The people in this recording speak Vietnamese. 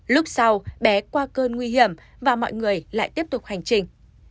lúc sau bé qua cơn nguy hiểm và mọi người lại tiếp tục hành trình